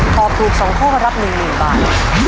ตอบถูก๒ข้อรับ๑๐๐๐บาท